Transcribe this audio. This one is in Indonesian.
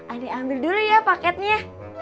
ada ambil dulu ya paketnya